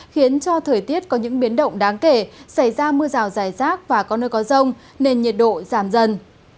khiến cho thời tiết có những biến động đáng kể xảy ra mưa rào dài rác và có nơi có rông nên nhiệt độ giảm dần